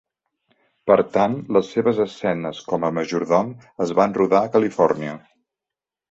Per tant, les seves escenes com a majordom es van rodar a Califòrnia.